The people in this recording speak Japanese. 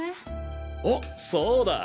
あっそうだ。